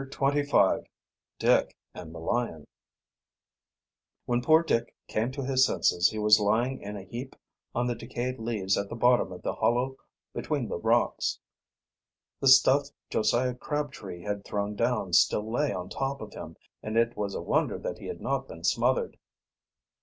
CHAPTER XXV DICK AND THE LION When poor Dick came to his senses he was lying in a heap on the decayed leaves at the bottom of the hollow between the rocks. The stuff Josiah Crabtree had thrown down still lay on top, of him, and it was a wonder that he had not been smothered.